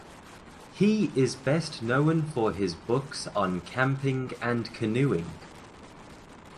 He is best known for his books on camping and canoeing.